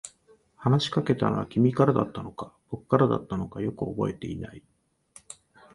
話しかけたのは君からだったのか、僕からだったのか、よく覚えていない。